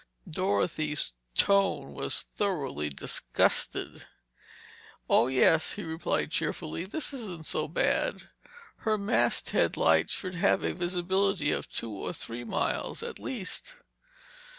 Dorothy's tone was thoroughly disgusted. "Oh, yes," he replied cheerfully, "this isn't so bad. Her masthead lights should have a visibility of two or three miles, at least."